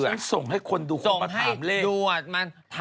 ผมส่งให้คนดูมาปรับถามเลข